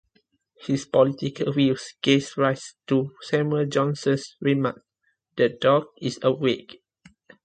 His political views gave rise to Samuel Johnson's remark: 'The dog is a whig.